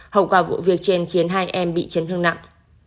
hậu quả vụ việc trên khiến hai em bị chấn thương nặng